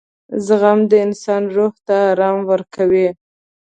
• زغم د انسان روح ته آرام ورکوي.